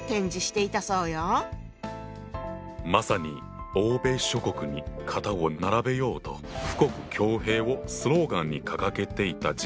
まさに欧米諸国に肩を並べようと富国強兵をスローガンに掲げていた時代だよな。